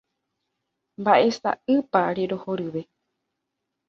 Mba'e sa'ýpa rerohoryve.